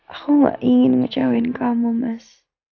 aku nggak ingin menjauhin kamu mas